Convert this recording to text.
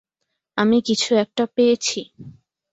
আমি কিছু একটা পেয়েছি!